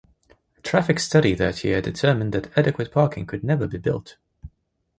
A traffic study that year determined that adequate parking could never be built.